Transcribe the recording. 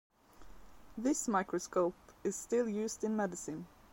This microscope is still used in medicine.